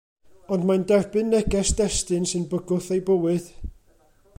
Ond mae'n derbyn neges destun sy'n bygwth ei bywyd.